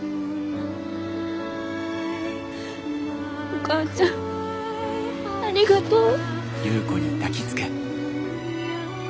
お母ちゃんありがとう。